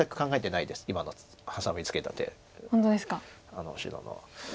あの白の。